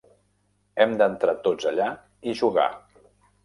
Hem d'entrar tots allà i jugar!